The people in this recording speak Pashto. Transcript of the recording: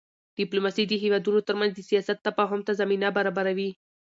ډیپلوماسي د هېوادونو ترمنځ د سیاست تفاهم ته زمینه برابروي.